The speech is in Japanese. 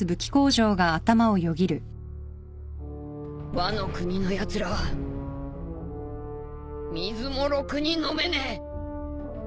ワノ国のやつらは水もろくに飲めねえ。